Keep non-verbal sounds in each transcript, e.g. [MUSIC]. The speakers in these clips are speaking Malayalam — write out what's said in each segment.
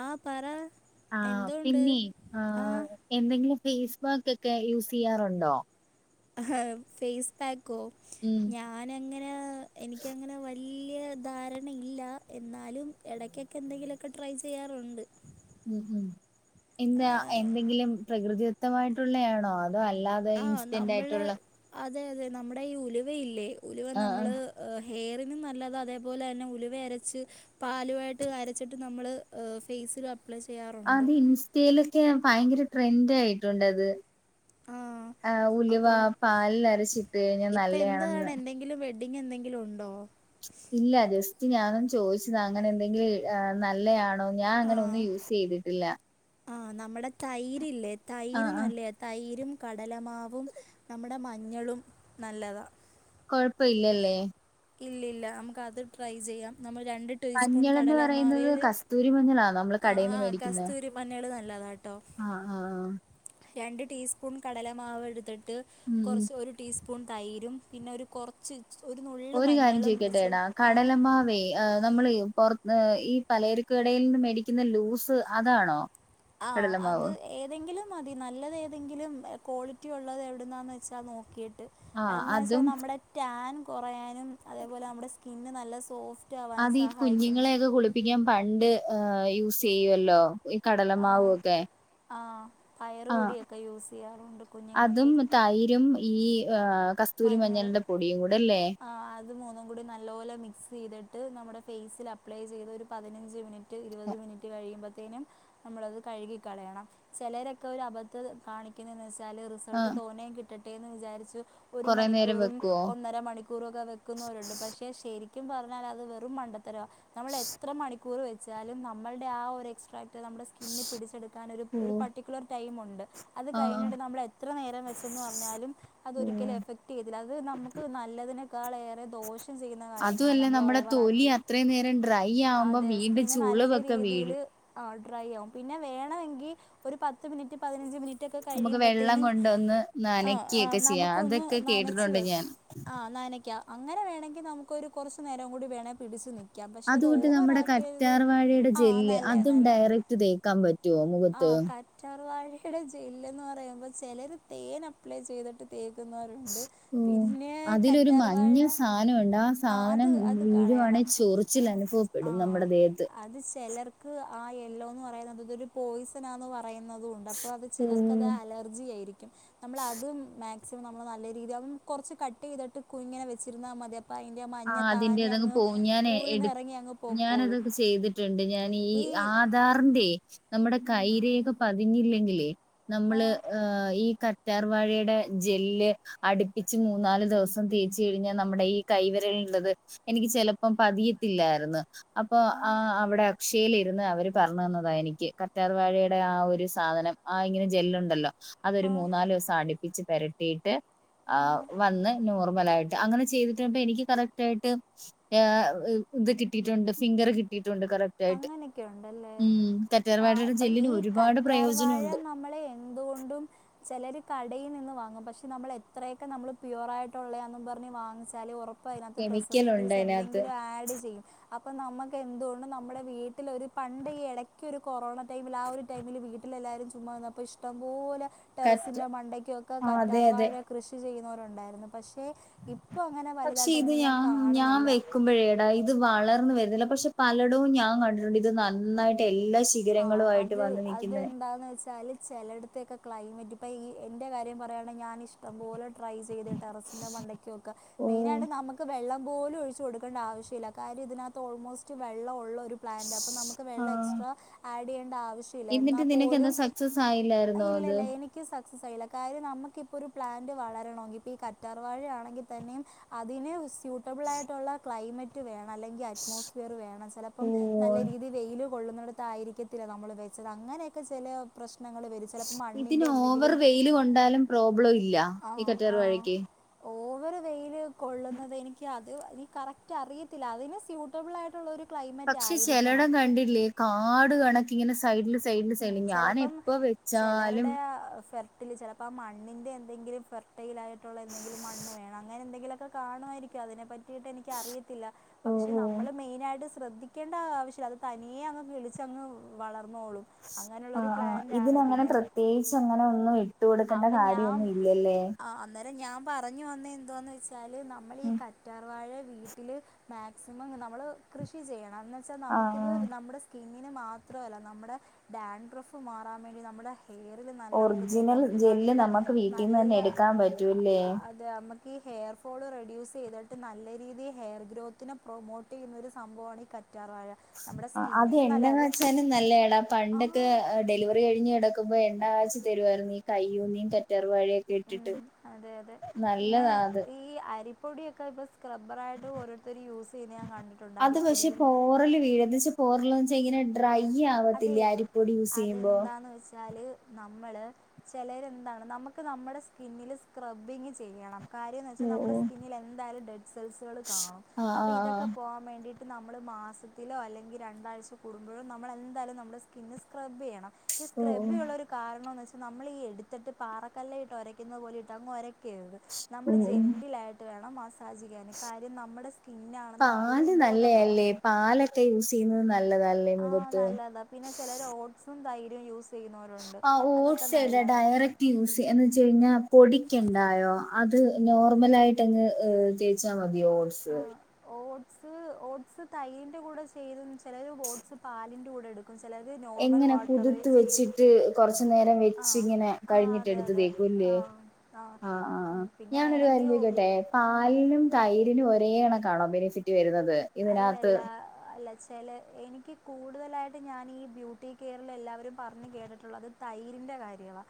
ആ പറ ആഹ് എന്തുണ്ട് പിന്നെ ആ ആഹ് എന്തെങ്കിലും ഫേസ് പാക്ക് ഒക്കെ യൂസ് ചെയ്യാറുണ്ടോ ഹാ ഫേസ് പാക്കോ ങ്ങാ ഉം ഞാനങ്ങനേ എനിക്കങ്ങനെ വല്ല്യ ധാരണയില്ല എന്നാലും. ഇടയ്ക്കൊക്കെ എന്തെങ്കിലുമൊക്കെ ട്രൈ ചെയ്യാറുണ്ട് ഉ ഉ ആ, എന്താ എന്തെങ്കിലും പ്രകൃതി ദത്തമായിട്ടുള്ളതാണോ അതോ അല്ലാതെ ആ ഇൻസ്റ്റന്റ് നമ്മള് ആയിട്ടുള്ള അതെ അതെ നമ്മുടെ ഈ ഉലുവയില്ലേ ഉലുവ ആഹ് ആഹ് നമ്മള് ഹെയറിനും നല്ലത അതേപോലെ തന്നെ ഉലുവ അരച്ച് പാലുവായിട്ട് അരച്ചിട്ട് നമ്മള് ഫേസിൽ അ അപ്പ്ളേ ചെയ്യറോ അത് ഇൻസ്റ്റയിലൊക്കെ ഭയങ്കര ട്രെൻഡ് ആയിട്ടുണ്ട്ത് ആ ആഹ് ഉലുവ അപ്പം പാലിൽരച്ചിട്ട കഴിഞ്ഞാ നല്ലയാണെന്ന് എങ്കിലും വെ ഇടിങ്ങ എന്തെങ്കിലും ഉണ്ടോ ഇല്ല ജസ്റ്റ് ഞാനൊന്ന് ചോദിച്ചതാ അങ്ങനെ എന്തെങ്കിലും നല്ലയാാ ആണോ ഞാൻ അങ്ങനെ ഒന്നും യൂസ് ചെയ്തിട്ടില്ല ആഹ് നമ്മടെ തൈരില്ലേ തൈര് ആഹ് ആഹ് നല്ലയ. തൈരും കടലമാവും നമ്മുടെ മഞ്ഞളും നല്ലതാ കൊഴപ്പ ഇല്ലല്ലേ ഇല്ലില്ല നമുക്ക് അത് ട്രൈ ചെയ്യാം നമ്മൾ രണ്ട് ടീസ്പൂൺ മഞ്ഞളെന്ന് പറയുന്നത് കടലമാവേൽ കസ്തൂരി മഞ്ഞളാണോ നമ്മള് ആ കടേന്ന് ആ മേടിക്കുന്നെ? കസ്തൂരി മഞ്ഞൾ നല്ലതാണ് കേട്ടോ ആഹ് ആഹ് ആഹ് രണ്ട് ടീ സ്പൂൺ കടല മാവെടുത്തിട്ട് ഉം ഉം കൊർച്ച് ഒരു ടീസ്പൂൺ തൈരും പിന്നെ ഒരു കൊറച്ച് ഒരു നുള്ള് മഞ്ഞളും വെച്ച് ആഹ് മാവേ ആഹ് നമ്മള് ഈ പൊറത്ത് ഈ പലരക്ക് കടയിൽ നിന്ന് മേടിക്കുന്ന ലൂസ് അതാണോ ആ അത് കടലമാവ് ഏതെങ്കിലും മതി നല്ലതേതെങ്കിലും ക്വാളിറ്റി ഉള്ളതെവിടുന്നാന്ന് വെച്ചാ നോക്കീട്ട്. ആഹ് അന്താെച്ചാൽ അതും നമ്മുടെ ടാൻ കുറയാനും അതേപോലെ നമ്മുടെ സ്കിന്ന് നല്ല സോഫ് അതീ കുഞ്ഞുങ്ങളെയൊക്കെ കുളിപ്പിക്കാൻ പണ്ട് യൂസ് ചെയ്യുവല്ലോ ഈ ആ കടലമാവൊക്കെ ആ പയറ് ആഹ് പൊടിയൊക്കെ യൂസ് ചെയ്യാറുണ്ട് കുഞ്ഞുങ്ങൾക്ക് അതും. തൈരും ഈ ആ കസ്തൂരി മഞ്ഞൾ മഞ്ഞളിന്റെ പൊടിയും കൂടല്ലേ അത് മൂന്നും കൂടി നല്ലപോലെ മിക്സ് ചെയ്തിട്ട് നമ്മുടെ ഫേസിൽ അപ്ലൈ ചെയ്തത് ഒരു പതിനഞ്ച് മിനിറ്റ് ഇരുപത് മിനിറ്റ് കഴിയുമ്പോഴത്തേനും നമ്മളത് കഴുകിക്കളയണം ചെലരൊക്കെ ഒരു അബദ്ധം കാണിക്ക ക്കിന്ന്നെച്ചാല് റിസൾട്ട് ആഹ് തോനേംകിട്ടട്ടെന്ന് വിചാരിച്ചു. ഒരു കൊറെ നേരം മണിക്കൂറും വെക്കുവോ ഒന്നര മണിക്കൂറൊക്കെ വെക്കുന്നവരുണ്ട് പക്ഷെ ശരിക്കും പറഞ്ഞാൽ അത് വെറും മണ്ടത്ത എത്ത നമ്മൾ എത്ര മണിക്കൂർ വെച്ചാലും നമ്മളുടെ ആ ഒരു എക്സ്ട്രാ മറ്റെ നമ്മുടെ സ്കിന്നി പിടിച്ചെടുക്കാൻ ഒരു ഒരു ഓഹ് പർട്ടിക്കുലർ ടൈമൊണ്ട് അത് ആഹ് കഴിഞ്ഞിട്ട് നമ്മൾ എത്ര നേരം വെച്ചെന്ന് പറഞ്ഞാലും അതൊരു ഒരിക്കലും ഓഹ് എഫക്ട് ചെയ്യത്തില്ല അത് ഇല്ല എഫക്റ്റ് ചെയ്യത്തില്ല നമുക്ക് നല്ലതിനെക്കാളേറെ ദോഷം ചെയ്യുന്ന കാര്യങ്ങളാ അതുമല്ല നമ്മൾ നമ്മുടെ തൊലി ഓവറാക്കി അത്രയും നേരം ഡ്രൈ ആവുമ്പോ അതെ വീണ്ടും സ്കിന് നല്ല ചുളിവൊക്കെ വീഴും രീതിയില് ആ ഡ്രൈ ആവും പിന്നെ വേണമെങ്കിൽ ഒരു പത്ത് മിനിറ്റ് പതിനഞ്ച് മിനിറ്റ് ഒക്കെ നമുക്ക് വെള്ളം കഴിയുമ്പത്തേനും കൊണ്ടൊന്ന് ആ ആ നനയ്ക്കുകയൊക്കെ ചെയ്യാം നമുക്കൊന്ന് അതൊക്കെ നനച്ച് കേട്ടിട്ടുണ്ട് വെക്കാം ഞാൻ ആ നനയ്ക്കാ അങ്ങനെ വേണങ്കി നമുക്ക് ഒരു കൊറച്ച് നേരം കൂടി വേണേ പിടിച്ചു നി പക്ഷെ അത് അതുകൂട്ട് ഓവർ നമ്മുടെ ആക്കരുത് കറ്റാർ വാഴയുടെ ആഹ് ജെല്ല് നല്ല അതും നല്ല ഡയറക്റ്റ് തേക്കാൻ പറ്റുവോ മുഖത്ത് ആഹ് റ്റാർവാഴെടെ ജെല്ലന്ന് പറയുമ്പോൾ ചിലര് തേൻ അപ്ലൈ ചെയ്തിട്ട് തേ ഓ അതിലൊരു കറ്റാർവാഴ മഞ്ഞ സാധനമുണ്ട് ആ ആഹ് അത് സാധനം അത് വീഴുവാണെ കളയണം ചോറിച്ചിൽ ആഹ് അനുഭവപ്പെടും ആഹ് നമ്മുടെ ദേഹത്ത് അത് ചെലർക്ക് ആ യെല്ലോ എന്ന് പറയുന്നത്തൊരു പോയിസൺാന്ന് പറയുന്നതും ഉണ്ട് അപ്പോ അത് ചിലർക്ക് അത് അലർജി ആയിരിക്കും നമ്മൾ അത് മാ മാക്സിമം നമ്മൾ നല്ല രീതി കുറച്ച് കട്ട് ചെയ്തിട്ട് കു ഇങ്ങനെ വച്ചിരുന്ന മതി അപ്പോ അയിന്റെ മഞ്ഞ ആഹ് അതിന്റെ താനെ തങ്ങ് അങ്ങ് പോവും ഞാനേ എട് ഉഴുന്നെറങ്ങി അങ്ങ് പൊക്കോളും ഞാനതൊകെ ചെയ്തിട്ടുണ്ട് ഞാനീ ഈ ആഹ്. ദാറിന്റെ നമ്മുടെ ഉം കൈരേഖ പതിഞ്ഞില്ലെങ്കിലെ നമ്മള് ആഹ് ഈ ക റ്റാർ വഴയുടെ ജെല്ല് അടുപ്പിച്ച് മൂന്നാല് ദിവസം തേച്ച് കഴിഞ്ഞ നമ്മുടെ ഈ കൈവെ ത് ഇള്ളത് എനിക്ക് ചെലപ്പം പതിയത്തില്ലായിരുന്നു അപ്പൊ ആ ആഹ് അവിടെ ക്ഷേലിരുന്ന് അവര് പർഞ്ഞന്നതാ എനിക്ക് കറ്റാർവാഴെടെ ആ ഒരു സാധനം ആ ഇങ്ങനെ ജെല്ല്ണ്ടല്ലോ. അതൊരു ആ മൂന്നാല് ദിവസം ആ ച്ച് പെരട്ടീട്ട് ആ ആഹ് വന്ന് നോർമലായിട്ട് അങ്ങനെ ചെയ്തിട്ടണ്ടനിക്ക്. കറക്റ്റ് ആയിട്ട് ഇത് കിട്ടിയിട്ടുണ്ട് ഫിംഗർ കിട്ടിയിട്ടുണ്ട് കറക്റ്റ് ആയിട്ട് അങ്ങനെയൊക്കെ ഒണ്ടല്ലേ ഉം ആ കറ്റാർവാഴയുടെ അപ്പൊ ഈ ജെല്ലിന് ഒരുപാട് കറ്റാർവാഴ പ്രയോജനമുണ്ട് നമ്മളെ എന്തുകൊണ്ടും ചെലര് കടയിൽ നിന്ന് വാങ്ങും പക്ഷെ നമ്മൾ എത്രയൊക്കെ നമ്മള് പ്യുവർ ആയിട്ടൊള്ളയാന്നും പറഞ്ഞ് വാങ്ങിച്ചല് ഒറപ്പ പ്പയ്നാത്ത് കെമിക്കലുണ്ട് പ്രിസർവേറ്റീവ്സ് അതിനകത്ത് എന്തെങ്കിലും ആഡ് ചെയ്യും അപ്പ നമ്മക്കെന്തോണ്ട് ന നമ്മുടെ വീട്ടിലൊരു പണ്ട് ഈ എടയ്ക്ക് ഒരു കൊറോണ ടൈമിൽ ആ ഒരു ടൈമില് വീട്ടിലെല്ലാവരും ചുമ്മാ വന്നപ്പോ ഇഷ് ടംപോലെ. കറ്റ ടെറസിന്റെ മണ്ടയ്ക്കൊക്കെ ആ അതെ അതെ കറ്റാർവാഴ കൃഷി ചെയ്യുന്നവരുണ്ടായിരുന്നു പക്ഷെ ഇപ്പോൾ അങ്ങനെ വലുതായിട്ട് എങ്ങും ഞാൻ കാണുന്നില്ല മ്പോഴേടാ ഇത് വളർന്നു വരുന്നില്ല പക്ഷെ പലടവും ഞാൻ കണ്ടിട്ടുണ്ട് ഇത് നന്നായിട്ട് എല്ലാം ആ അത് അതെന്താന്ന് വെച്ചാല് ചിലയിടത്തയൊക്കെ ക്ലൈമറ്റ് ഇപ്പൾ ഈ എൻ്റെ കാര്യംയയാണെങ്ക ഞാനിഷ്ടം ഇഷ്ടം പോലെ ട്രൈ ചെയ്ത് ടെറസിന്റെ മണ്ടക്ക് വെക്കാം ഓ മെയിനായിട്ട് നമുക്ക് വെള്ളം പോലും ഒഴിച്ചു കൊടുക്ക നനക്കേണ്ട ആവശ്യമില്ല കാര്യം ഇതിനകത്ത് ഓൾമോസ്റ്റ് വെള്ളം ഉള്ളൊരു പ്ലാന്റാ അപ്പൊ നമുക്ക് വെള്ളം ആഹ് എക്സ്ട്രാ ആഡ് ചെയ്യുണ്ട ആവശ്യല്ല എന്നാ എന്നിട്ട് നിനക്ക് എന്താ പോലും സക്സസ് ആയില്ലായിരുന്നോ അത് ഇല്ലല്ല എനിക്ക് ക്ക് സക്സസ് ആയില്ല കാര്യം നമുക്കിപ്പോൾ ഒരു പ്ലാന്റ് വളരണമങ്കിൽ ഇപ്പോൾ ഈ കറ്റാർവാഴ ആണെങ്കിൽ തന്നെയും അതിന് സ്യൂട്ടബിൾ ആയിട്ടുള്ള ക്ലൈമറ്റ് വേണം അല്ലെങ്കിൽ അറ്റ്മോസ്ഫിയർ വേണം ഓ ചിലപ്പോം നല്ല രീതി വെയില് കൊള്ളുന്നിടത്തായിരിക്കത്തില്ല നമ്മള് വെച്ചത് അങ്ങനെയൊക്കെ ചെല പ്രശ്നങ്ങൾ വരും. ചിലപ്പോൾ ഇതിന് മണ്ണിൻ്റെ ഓവർ എന്തെങ്കിലും വെയില് കൊണ്ടാലും പ്രോബ്ലം ഇല്ല ഈ കറ്റാർ വാഴക്ക് ഓവറ് വെയിൽ കൊള്ളുന്നത് എനിക്ക് അത് എ കറക്റ്റ് അറിയത്തില്ല അതിന് സ്യൂട്ടബിൾ ആയിട്ടുള്ളൊരു പക്ഷെ ചെലടം കണ്ടില്ലേ കാട് കണക്കിങ്ങനെ സൈഡിൽ ഉം ചെലപ്പം ചെലരുടെ ഫെർ ഇതിൽ ചിലപ്പോൾ മണ്ണിൻ്റെ എന്തങ്കിലും ഫെർടൈൽ ആയിട്ടുള്ള എന്തെങ്കിലും മണ്ണ് വേണം അങ്ങനെ എന്തെങ്കിലൊക്കെ കാണുമായിരിക്കും അതിനെ പറ്റിയിട്ട് എനിക്കറിയില്ല ഓ പക്ഷെ ഓ നമ്മള് മെയിനയിട്ട് ശ്രദ്ധിക്ക ക്കേണ്ടാ ആവശ്യല്ല അത് തനിയേ അങ്ങ് കിളിച്ചങ്ങ് വളർന്നോളും. ആ അങ്ങനെയുള്ളൊരു ആ പ്ലാന്റ് ആണ് ഇതിനങ്ങനെ പിന്നെ പ്രത്യേകിച്ച് അങ്ങനെ ഒന്നും ഇട്ട് കൊടുക്കേണ്ട കാര്യമൊന്നുംല്ലല്ലേ ആഹ് അന്നേരം ഞാൻ പറഞ്ഞു വന്ന എന്തോന്ന് വെച്ചാല് നമ്മൾ ഈ കറ്റാർവാഴ വീട്ടില് മാക്സിമം നമ്മൾ കൃഷി ചെയ്യണം എന്ന്ന് വെച്ചാൽ നമുക്കിത് ആഹ് നമ്മുടെ ഇങ്ങിനെ മാത്രമല്ല നമ്മുടെ ഡാൻട്രഫ് മാറാൻ വേണ്ടി നമ്മുടെ ഹെയറിൽ നല്ലതാ നമുക്ക് ഒറിജിനൽ തേക്കാൻ പറ്റും ജെല്ല് നല്ല നമുക്ക് വീട്ടീന്ന് നല്ല തന്നെ എടുക്കാൻ പറ്റൂല്ലേ ങ്ങാ ഇത് നമുക്ക് ഈ ഹെയർ ഫോള് റെഡ്യൂസ് ചെയ്തിട്ട് നല്ല രീതിയിൽ ഹെയർ ഗ്രോത്തിനെ പ്രൊമോ യുന്ന ഒരു സംഭവമാണ് ഈ കറ്റാർ വാഴ ആ അത് എണ്ന്നച്ചാലും നല്ലേടാ പണ്ടൊക്കെ ആ ഡെലിവറി കഴിഞ്ഞു എട നക്കുമ്പോ എണ്ണഴച്ചു തരുവായി നീ കയ്യൂന്നീ കറ്റാറ് വഴെ ഉം അതെയതെ പിന്നെ അത് ഈ അരി പൊടിയൊക്കെ ഇപ്പോ സ്ക്ബറായിട്ട് ഓരോരുത്തർ യൂസെയ്യന്നത് ഞാൻ കണ്ടിട്ടുണ്ട് അരിപ്പൊടിയും.. പോറൽ വീഴദിച്ച് പോറലോന്ന് വെച്ചാ ഇങ്ങനെ ഡ്രൈ ആവത്തില്ലേ അരിപ്പോടി യൂസ് ചെയ്യുമ്പോ ന്ന് വെച്ചാൽ നമ്മള് ചെലരെന്താണ് നമക്ക് നമ്മടെ സ്കിന്നില് സ്ക്രബ്ബിങ് ചെയ്യണം. കാര്യമന്ന് വെച്ചാൽ ഓ നമ്മുടെ ഓ സ്കിന്നിൽ എന്താലും ഡഡ് സെൽസ്സുകൾ കാണും ആഹ് അപ്പോൾ ആഹ് ഇതൊക്കെ ആഹ് പോകാൻ വേണ്ടിയി നമ്മള് മാസത്തിലോ അല്ലെങ്കി രണ്ടാഴ്ചോ കൂടുമ്പോഴോ നമ്മൾെന്തായാലും നമ്മുടെ സ്കിന്ന് സ്ക്രബ് യ്യണം ഈ ഓ സ്ക്രബ്ബയുള്ള കാരണംന്ന് വെച്ചാൽ നമ്മൾ ഈ എടുത്തിട്ട് പാറക്കല്ലയിട്ട് ഒരക്കുന്നത് പോലെട്ട് അങ് ഒര ത് നമ്മൾ ഓ ഓ ഓ ജെന്റിലായിട്ട് വേണം മസ്സാജ് ചെയ്യ കാര്യം നമ്മുടെ സ്കിന്നാണെന്ന് നമുക്കൊരു പാല് ബോധം വേണം നല്ലയല്ലേ പാലൊക്കെ യൂസ് ചെയ്യുന്നത് നല്ലാതല്ലേ ആഹ് നല്ലതാ പിന്നെ ചെലര് ഓട്സും തൈരും യൂസ് ചെയ്യുന്നവരുണ്ട് ആ അതൊക്കെ ഓട്സ് ഏതാ നല്ലതാ. ഡയറക്റ്റ് യൂസ് എന്ന് വെച്ച കഴിഞ്ഞാ പൊടിക്കണ്ടായോ അത് നോർമലായിട്ട് അങ്ങ് എ ച്ചാ മതിയോ ഓട്സ് ആഹ് ഓട്സ് ഓട്സ് തൈരിൻ്റെ കൂടെ ചേരും. ചിലര് ഓട്സ് പാലിൻ്റെ കൂടെടു എങ്ങനെ പുതുത്ത് വെച്ചിട്ട് കൊറച്ച നേരം ആഹ് വെച്ച്ങ്ങനെ ആഹ് കഴിഞ്ഞിട്ട് അതെ എടുത്ത് അതെ തേക്കൂല്ലേ. ആഹ് ആഹ് ആ പിന്നെ ഞാനൊരു വേണെങ്കി കാര്യം ചോയ്ക്കട്ടെ ആഹ് പായലും, തൈരിന് ഒരേ കണക്കാണോ ബെനിഫിറ്റ് വരുന്നത്. ഇതിനകത്ത് അല്ലല്ല അല്ലച്ചേൽ എനിക്ക് കൂടുതലായിട്ട് ഞാൻ ഈ ബ്യൂട്ടി കെയറിൽ എല്ലാവരും പറഞ്ഞ് കേട്ടിട്ടുള്ളത് തൈരിന്റെ കാര്യവാ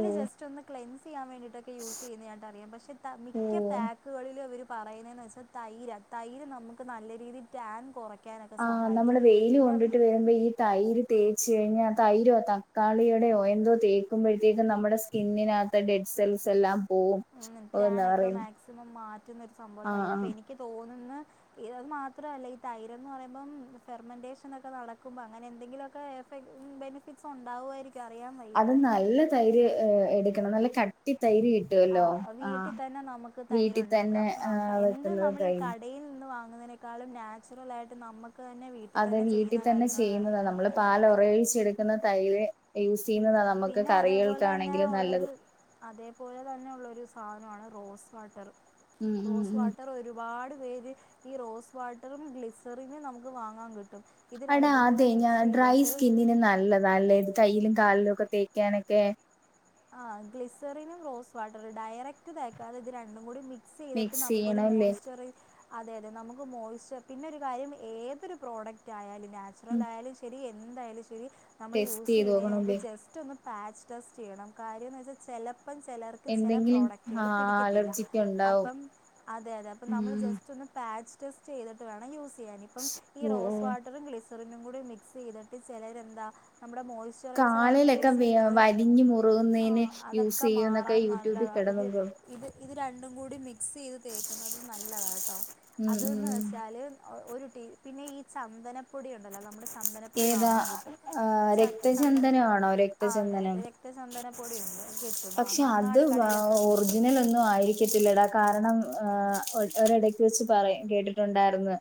ഓ ജസ്റ്റ് ഒന്ന്.. ക്ലെൻസ് ചെയ്യാൻ വേണ്ടിട്ടൊക്കെ യൂസ് ചെയ്യുന്നതായിട്ട അറിയാം പക്ഷേ ഓ മിക്ക പാക്കുകളിൽ അവർ പറയുന്നതെന്ന് വെച്ചാൽ തൈര തൈര് നമുക്ക് നല്ല രീതിയിൽ ടാൻ കുറയ്ക്കും. ആഹ് നമ്മള് വെയില് കൊണ്ടിട്ട് വരുമ്പോ ഈ തൈര് തേച്ച് കഴിഞ്ഞാ ആ തൈരോ തക്കാളിയുടെയോ എന്തോ തേക്കുമ്പോഴത്തേക്കും നമ്മുടെ സ്കിന്നിനകത്ത് ഡെഡ് സെൽസ് എല്ലാം പോവും ഉം ഓ എന്താ റ്റാനൊക്കെ പറയും മാക്സിമം മാറ്റുന്നൊ ഒരു ആഹ് സംഭവത്തായില്ല ആഹ് അപ്പൊ എനിക്ക് തോന്നുന്ന ഇ അത് മാത്രല്ല ഈ തൈരൻ എന്ന് പറയുമ്പോം ഫെർമെന്റേഷൻ ഒക്കെ നടക്കുമ്പോ അങ്ങനെ എന്തെങ്കിലുക്കെ ബെനിഫിറ്റ്സ് ഉണ്ടാവായിരിക്കും അറിയാപ അത് നല്ല തൈര് എടുക്കണം നല്ല കട്ടി തൈര് ആ കിട്ടുവല്ലോ വീട്ടിതന്നെ നമുക്ക് തൈരു വീട്ടിൽ തന്നെ ണ്ടാക്കാം. ആ എന്ത് വെക്കുന്നത് നമ്മള് ഈ തൈര് കടയിൽ നിന്ന് വാങ്ങുന്നതിനെക്ക ക്കാളും നാച്ചുറലായിട്ട് നമ്മ [UNINTELLIGIBLE] അതെ വീട്ടിതന്നെ ചെയ്യുന്നത നമ്മള് പാല ഉറയിച്ചെടുക്കുന്ന തൈര് ഉം. യൂസ്യ്യുന്നതാ നമുക്ക് പിന്നെ അതേപോലെ തന്നെ കറികൾക്കാണെങ്കിലും നല്ലത് ഉള്ളൊരു അതേപോലെ തന്നെള്ളോരു സാനാണ് റോസ് വാട്ടർ ഉം ഉം റോസ് ഉം വാട്ടർ ർ ഒരുപാട് പേര് ഈ റോസ് വാട്ടറും ഗ്ലിസറിനും നമുക്ക് വാങ്ങാൻ കിട്ടും ഇത് അടാ രണ്ടും അതെ കൂടി ഞാൻ മിക്സ് ഡ്രൈ ചെയ്തിട്ട് സ്കിന്നിന് നല്ലതാലെ കയ്യിലും കാലിലും ഒക്കെ തേക്കാനൊക്കെ ആഹ് ഗ്ലിസറിനും റോസ് വാട്ടർ ഡയറക്ട് തേക്കാതെ ഇത് രണ്ടും കൂടി മി സ് ചെയ്തിട്ട് മിക്സ് നമുക്കൊരു ചെയ്യണല്ലേ മോയ്സ്റ്ററി അതെ അതെ നമുക്ക് മോയ്സ്ചർ പിന്നെ ഒരു കാര്യം ഏതൊരു പ്രോഡക്റ്റ് ആയാലും. നാച്ചുറൽ ഉം ആയാലും ശരി എന്തായാലും ശരി നമ്മൾ ടെസ്റ്റ് ചെയ്ത് യൂസെയ്യുന്നതിന് മുൻ്പ് നോക്കണല്ലേ ജസ്റ്റ് റ്റൊന്ന് പാച്ച് ടെസ്റ്റ് ചെയ്യണം കാര്യന്ന് വെച്ചാൽ ചെലപ്പം ചെലർ ക്ക് ചെല എന്തെങ്കിലും പ്രോഡക്റ്റുകൾ ആഹ് പിടിക്കത്തില്ല. അലർജിക്ക് ഉണ്ടാവും അപ്പം അതെയതെ അപ്പം നമ്മൾ ഉം ജസ്റ്റ് ഒന്ന് പാച്ച്ടെസ്റ്റ്‌ ചെയ്തിട്ട് വേണം യൂസ് ചെയ്യാൻ ഇപ്പം ഈ ഓ ഓ റോസ് വാട്ടറും ഗി ഗ്ലീസറിനും കൂടി മിക്സ് ചെയ്തിട്ട് ചിലരെ എന്താ നമ്മുടെ മോസ് കാലിലൊക്കെ വലിഞ് മുറുകുന്നതിന് ആഹ് യൂസ് അതൊക്കെ ചെയ്യും എന്നൊക്കെ മാറാൻ യൂട്യൂബിൽ നല്ലതാ കിടന്ന ഇത് ഇത് ഇത് രണ്ടും കൂടി മിക്സ് ചെയ്ത് തേക്കുന്നത് നല്ലതാണ് കേട്ടോ ഉം അതെന്ന് ഉം വെച്ചാൽ അഹ് ഒരു ടി പിന്നെ ഈ ചന്തനം പൊടിണ്ടല്ലോ നമ്മള് ചന്ദനപ്പൊടി ഏതാ വാങ്ങാൻ കിട്ടും ച ചന്ദനപ്പൊടി രക്തചന്ദനമാണോ ആ അതെ രക്തചന്ദനം രക്തചന്തന പൊടിയുണ്ട് കിട്ടും പക്ഷെ അത് അങ്ങാടിക്കടയിലൊക്കെ കിട്ടും ഒറിജിനൽ ഒന്നും ആയിരിക്കത്തില്ലടാ. കാരണം ഏഹ് ഒരടക്ക് വച്ച് പറ കേട്ടിട്ട ണ്ടായിരുന്നു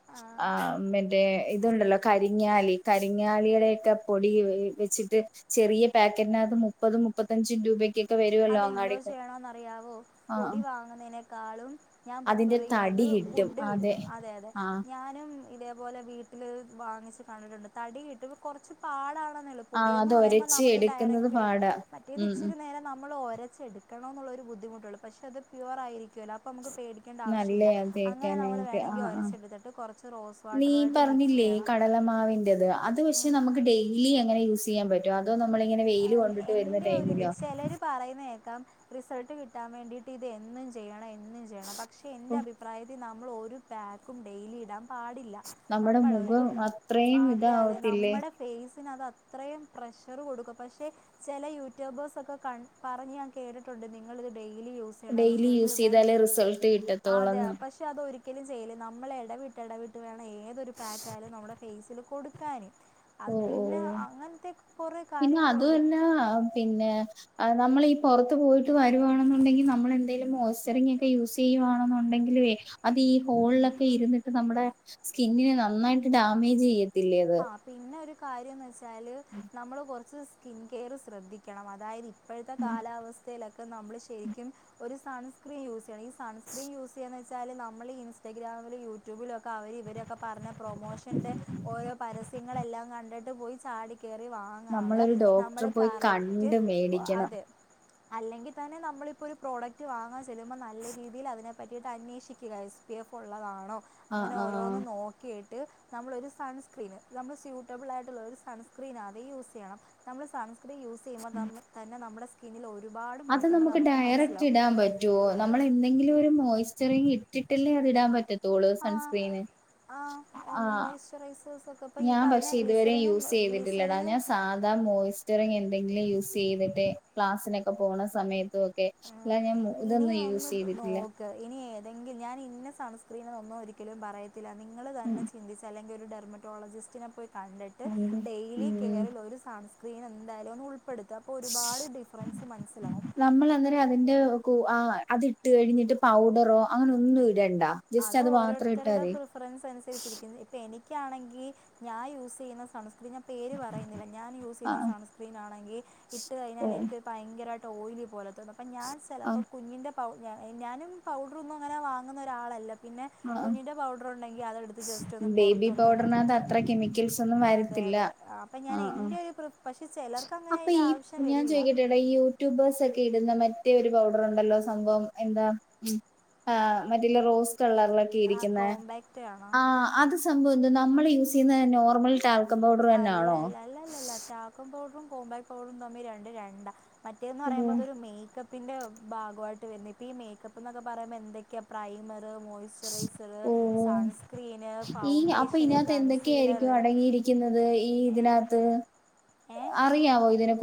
ആ ആഹ് മറ്റേ ഇതുണ്ടല്ലോ കരിങ്ങാലി കരിങ്ങാലിയുടൊക്കെ പൊടി വെച്ചിട്ട് ചെറിയ പാക്കറ്റിനക മുപ്പത മുപ്പത്തഞ്ചും രൂപക്ക അതെന്തോ ചെയ്യണന്നറിയാവോ ആ പൊടി വാങ്ങുന്നതിനേക്കാളും ഞാൻ പ്രിഫർ അതിന്റെ ചെയ്യുന്നത് തടി കിട്ടും വുഡ് കിട്ടും അതെ അതെ ആ ഞാനും ഇതേപോലെ വീട്ടില് വാങ്ങിച്ച് കണ്ടിട്ടുണ്ട് തടി കിട്ട്ൾ കുറച്ച് പാടാണെന്ന്ള.. ആഹ് പൊടിയന്ന് അത് പറയുമ്പോ ഒരച്ച് നമുക്ക് എടുക്കുന്നത് ഡയറക്ട് എടുക്കാം പാടാ മറ്റേത് ഉം ഉം ഇച്ചിരി നേര നമ്മൾ ഒഓരച്ചെടുക്കണം എന്നുള്ള ഒരു ബുദ്ധിമുട്ടുള്ളൂ പക്ഷെ അത് പ്യുവർ ആയിരിക്കുല്ല അപ്പോൾ നമുക്ക് പേടിക്കേണ്ട ആവശ്യമില്ല നല്ലയാ അങ്ങനെ നമ്മൾ തേക്കാനായിട്ട് വേണമെങ്കിൽ ആഹ് ആഹ് ഒരച്ചെടുത്തിട്ട് കുറച്ച് റോസ് വാട്ടറുയിട്ട് മിക്സ് ചെയ്യണം കടലമാവിൻന്റെറത് അത് ഇത് പക്ഷെ നമുക്ക് ഡെയിലി അങ്ങനെ യൂസ് ചെയ്യാൻ പറ്റോ അതോ നമ്മളിങ്ങനെ വെയില് കൊണ്ടിട്ട് വരുന്ന ടൈമിലോ പറയുന്നേക്കാം റിസൾട്ട് കിട്ടാൻ വേണ്ടിട്ട് ഇത് എന്നും ചെയ്യണം എ ഒന്നും ചെയ്യണം പക്ഷെ എന്റെ അഭിപ്രായത്തിൽ നമ്മൾ ഒരു പാക്കും ഡെയിലി ഇടാൻ പാടി ല്ല നമ്മുടെ നമ്മളൊരു മുഖം അത്രയും അതെ അതെ ഇതാവത്തില്ലേ നമ്മുടെ.. ഫൈസിന് അത് അത്രയും പ്രഷർ കൊടുക്കും. പക്ഷെ ചെല യൂട്യൂബേഴ്സൊക്കെ ക പറഞ്ഞ് ഞാൻ കേട്ടിട്ടുണ്ട് നിങ്ങളിത് daily use [UNINTELLIGIBLE] daily result use കിട്ടാൻ ചെയ്താലേ റിസൾട്ട് അതെ കിട്ടത്തോളന്ന് പക്ഷ അതൊരിക്കലും ചെയുല്ല. നമ്മൾ എടവിട്ട് എടവിട്ട് വേണം ഏതൊരു പാക്കായാലും നമ്മുടെ ഫേയ്സിലും, കൊടുക്കാന് അത് ഓ ഓ പിന്നെ അങ്ങനത്തെ കൊറേ കാര്യങ്ങ [UNINTELLIGIBLE] പിന്നെ ആഹ് നമ്മള് ഈ പൊറത്ത് പോയിട്ട് വരുവാണെന്നുണ്ടെങ്കിൽ നമ്മൾന്തെലും മോയ്സ്ചറിംഗ് ഒക്കെ യൂസ് ചെയ്യവാണെന്നുണ്ടെങ്കിലേ അത് ഈ ഹോളിലൊക്കെ ഇരുന്നിട്ട് നമ്മുടെ സ്കിന്നിനെ നന്നായിട്ട് ഡാമേജ് ചെയ്യത്തില്ലേ ഇത്. ആ പിന്നെ ഒരു കാര്യംന്ന്ച്ചാല് നമ്മൾ കുറച്ച് സ്കിൻ കെയറ് ശ്രദ്ധിക്കണം അതായ പ്പോഴത്തെ കാലാവസ്ഥയിലൊക്കെ നമ്മള് ശരിക്കും ഒരു സൺ സ്ക്രീ യൂസ് ചെയ്യണം. ഈ സൺസ്ക്രിൻ യൂസ് ചെയ്യാന്ന് വച്ചാൽ നമ്മ ഇൻസ്റ്റഗ്രാംമില് യൂട്യു യൂട്യൂബിലൊക്കെ അവര് ഇവരൊക്കെ പറഞ്ഞ പ്രൊമോഷന്റെ ഓരോ പരസ്യങ്ങളെല്ലാം കണ്ടിട്ട് പോയി ചാടി, കേറി വാങ്ങാതെ നമ്മളൊരു ഡോക്ടറെ നമ്മള് പോയി കറക്റ്റ് കണ്ട് മേടിക്കണം അതെ. അല്ലെങ്കി തന്നെ നമ്മളിപ്പോ ഒരു പ്രോഡക്റ്റ് വാങ്ങാൻ ചെല്ലുമ്പോ നല്ല രീതിയിൽ അതിനെ പറ്റിയിട്ട് അന്വേഷിക്കുക എസ് പി എഫ് ഉള്ളതാണോ. ആഹ് അങ്ങനെ ഓരോന്ന് ആഹ് നോക്കിയിട്ട് നമ്മളൊരു സ് സൺസ്ക്രീന് നമ്മൾ സ്യൂട്ടബിൾ ആയിട്ടുള്ള ഒരു സൺസ്ക്രിൻ അതെ യൂസ് ചെയ്യണം. നമ്മൾ സൺസ്ക്രീൻ യൂസ്, ചെയുമ്പ തന്നെ നമ്മുടെ സ്കിന്നിൽ ഒരുപാട് മാറ്റങ്ങൾ നമുക്ക് മനസ്സിലാവും റ്റൊ നമ്മള് എന്തെങ്കിലും ഒരു മോയ്സ്റ്ററിങ്ങ് ഇട്ടിട്ടല്ലേ അത് ഇടാൻ പറ്റത്തൊ തോള് ആ സൺസ്ക്രീന് ആഹ് റൈസസ് ഞാൻ പക്ഷെ ഇതുവരെ യൂസ് ചെയ്തിട്ടില്ലടാ ഗ്ലിസറിനും ഞാൻ സാധാ മോയിസ്‌ റ്ററിങ്ങ് എന്തെങ്കിലും യൂസ് ചെയ്തിട്ടെ, ക്ലാസിനൊക്കെ പോണ സമയത്ത്, ‌ ക്കെ ആഹ് ഞാൻ ഇനി ഇതൊന്നും ഒന്ന് യൂസ് ചെയ്തിട്ടില്ല നോക്ക് ഇനി ഏതെങ്കിലും ഞാൻ ഇന്ന സൺസ്ക്രീനെന്നും ഒരിക്കലും പറയത്തില്ല നിങ്ങൾ ഉം തന്നെ ചിന്തിച്ച അല്ലെങ്കി ഒരു ഡെർമറ്റോളജിസ്റ്റിനെ പോയി കണ്ടിട്ട് ഉം ഡെയിലി ഉം കെയറിൽ ഒരു സൺസ്ക്രീൻ എന്തായാലുംന്ന് ഉൾപ്പെടുത്ത അപ്പോ ഒരുപാട് ഡിഫറൻസ് മനസ്സിലാാവും. നമ്മൾ അന്നേരം അതിന്റെ ആ അതിട്ട് കഴിഞ്ഞിട്ട് പൗഡറോ അങ്ങനെ ഒന്നും ഇടണ്ട ജസ്റ്റ് അത് മാത്രം ഇട്ടാ ഓരോരുത്തരുടെ മതി പ്രിഫറൻസ് അനുസരിച്ചിരിക്കുന്നു. ഇപ്പൊ എനി ക്കാണെങ്കി ഞാൻ യൂസ്യ്യുന്ന സൺസ്ക്രിൻ പേര് പറയുന്നില്ല. ഞാൻ ആ യൂസെയ്യുന്ന സൺസ്ക്രീൻ ആണെങ്കി ഇട്ട് ഓ കഴിഞ്ഞാലെനിക്ക് ഭയങ്കരമായിട്ട് ഓയിലി പോലെ തന്ന അപ്പൾ ഞൻ ആ ചിലപ്പോൾ കുഞ്ഞിൻ്റെ [UNINTELLIGIBLE] ഞാനും പൗഡറൊന്നും അങ്ങനെ വാങ്ങുന്ന ഒരാളല്ല പിന്നെ ആ ആ. കുഞ്ഞിൻ്റെ പൗഡർ ഉണ്ടെങ്കിൽ അതെടുത്ത് ജസ്റ്റ് ഒന്ന് ബേബി പുറത്തൊന്നില്ല പൗഡറിനകത്ത് അത്ര കെമിക്കൽസ് ഒന്നും അതെ വരത്തില്ല അതെ അപ്പൊ ഞാൻ ആ ആ എന്റെ ഒരു പക്ഷെ ചിലർക്ക് അങ്ങനെ അപ്പൊ അതിന്റെ ഈ ആവശ്യം ഞാൻ വരില്ല ചോദിക്കട്ടെടാ യൂട്യൂബേഴ്സ് ഒക്കെ ഇടുന്ന മറ്റേ ഒരു പൗഡർണ്ടല്ലോ സംഭവം എന്താ? ആഹ് മറ്റേ ഇല്ല റോസ് കളറിലൊക്കെ ആ ഇരിക്കുന്നെ കോമ്പാക്റ്റ് ആണോ ആ അത് സംഭവം എന്ത നമ്മൾ യൂസ് ചെയ്യുന്നത് നോർമൽ ആൽക്കോ പൗഡർ അല്ല തന്നാണോ അല്ല അല്ല അല്ലല്ല ടാൽക്കം പൗഡറും കോംമ്പാക്റ്റ് പൗഡറും തമ്മി രണ്ട് രണ്ടാ, മറ്റേന്ന് ഉം പറയുമ്പോ അതൊരു മേക്കപ്പ് പിന്റെ ഭാഗമായിട്ട് വരുന്നത്. ഇപ്പൊ ഈ മേക്കപ്പ് എന്നൊക്കെ പറയുമ്പോ എന്തൊക്കെയാ പ്രൈമർ മോയിസ് മയ്സ്ചറൈസർ ഓഹ് സൺസ്ക്രീന് ഈ ഫൗണ്ടേഷന് കൺസീലറ് ക്കുന്നത് ഈ ഇതിനകത്ത് ഏ അറിയാവോ ഇതിനെക്കുറി